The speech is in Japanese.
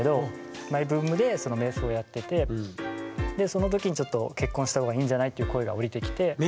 その時にちょっと「結婚したほうがいいんじゃない？」っていう声が降りてきて。